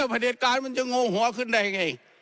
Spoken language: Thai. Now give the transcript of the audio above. ว่าประเทศกาลมันจะโง่หัวขึ้นได้ไง